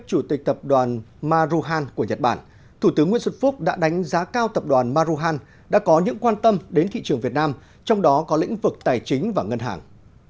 chủ tịch tập đoàn maruhan của nhật bản thủ tướng nguyễn xuân phúc đã đánh giá cao tập đoàn maruhan đã có những quan tâm đến thị trường việt nam trong đó có lĩnh vực tài chính và ngân hàng